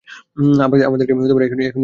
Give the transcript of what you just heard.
আমাদের এখনই বেরিয়ে যেতে হবে।